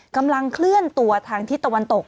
กำลังเคลื่อนตัวทางทิศตะวันตก